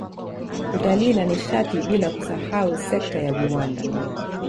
Utalii na Nishati bila kusahau sekta ya viwanda